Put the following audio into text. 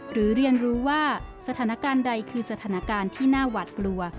เรียนรู้ว่าสถานการณ์ใดคือสถานการณ์ที่น่าหวาดกลัว